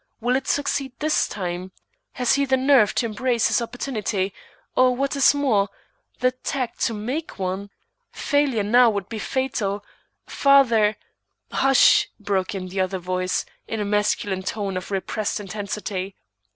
Will he succeed this time? Has he the nerve to embrace his opportunity, or what is more, the tact to make one? Failure now would be fatal. Father " "Hush!" broke in the other voice, in a masculine tone of repressed intensity.